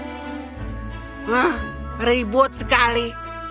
wah ribut sekali